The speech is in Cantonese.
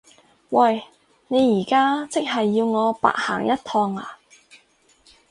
喂！你而家即係要我白行一趟呀？